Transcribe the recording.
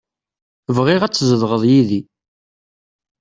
Bɣiɣ ad tzedɣeḍ yid-i.